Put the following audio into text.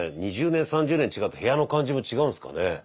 ２０年３０年違うと部屋の感じも違うんですかね？